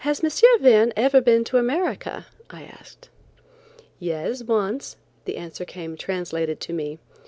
Verne ever been to America?" I asked. "Yes, once;" the answer came translated to me.